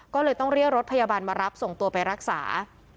ก็เลยต้องเรียกรถพยาบาลมารับส่งตัวไปรักษา